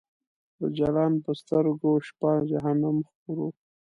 د جلان په سترګو شپه جهنم خور و